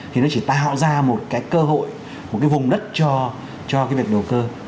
thì nó chỉ tạo ra một cái cơ hội một cái vùng đất cho cái việc đầu cơ